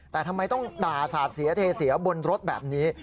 แต่ทำไมต้องด่าสาดเสียเทเสียบนรถแบบนี้